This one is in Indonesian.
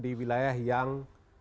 di wilayah yang